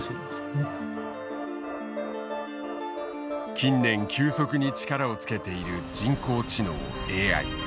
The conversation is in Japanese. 近年急速に力を付けている人工知能ＡＩ。